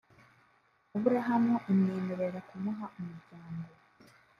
Aburahamu imwemerera kumuha umuryango